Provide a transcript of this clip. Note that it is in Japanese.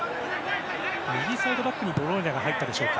右サイドバックにロローニャが入ったでしょうか。